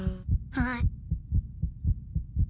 はい。